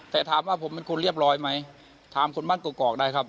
แต่ถามว่าผมเป็นคนเรียบร้อยไหมถามคนบ้านกรอกได้ครับ